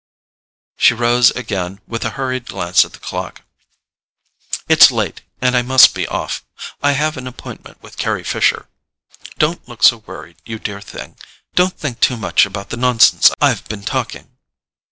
She rose again with a hurried glance at the clock. "It's late, and I must be off—I have an appointment with Carry Fisher. Don't look so worried, you dear thing—don't think too much about the nonsense I've been talking."